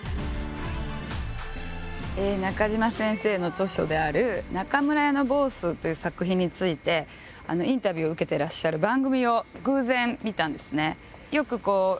中島先生の著書である「中村屋のボース」という作品についてインタビューを受けてらっしゃる番組を偶然見たんですね。